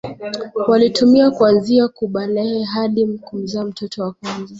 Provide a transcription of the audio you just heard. Walitumia kuanzia kubalehe hadi kumzaa mtoto wa kwanza